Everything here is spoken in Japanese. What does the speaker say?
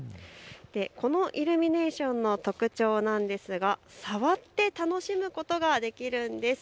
このイルミネーションの特徴なんですが触って楽しむことができるんです。